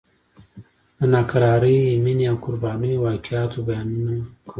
د ناکرارې مینې او قربانیو واقعاتو بیانونه کول.